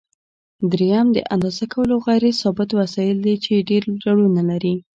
دریم د اندازه کولو غیر ثابت وسایل دي چې ډېر ډولونه لري.